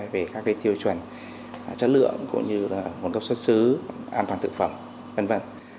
về các tiêu chuẩn chất lượng cũng như là nguồn gốc xuất xứ an toàn thực phẩm v v